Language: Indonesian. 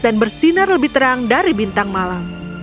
dan bersinar lebih terang dari bintang malam